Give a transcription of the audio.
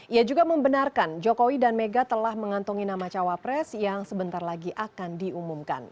ia juga membenarkan jokowi dan mega telah mengantongi nama cawapres yang sebentar lagi akan diumumkan